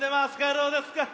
どうですか？